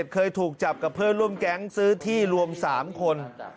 เคยถูกจับกับเพื่อนร่วมแก๊งซื้อที่รวม๓คน